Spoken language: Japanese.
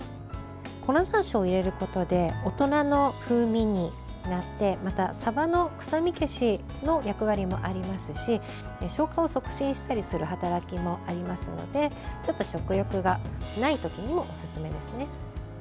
粉ざんしょうを入れることで大人の風味になってさばの臭み消しの役割もありますし消化を促進したりする働きもありますのでちょっと食欲がない時にもおすすめですね。